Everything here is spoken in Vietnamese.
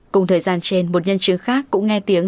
cùng thời gian trên một nhân chứng khác cũng nghe tiếng